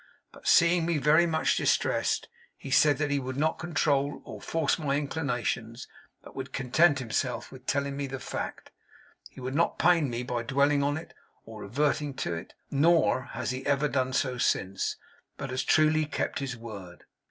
But seeing me very much distressed, he said that he would not control or force my inclinations, but would content himself with telling me the fact. He would not pain me by dwelling on it, or reverting to it; nor has he ever done so since, but has truly kept his word.